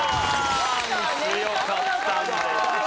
強かったんです。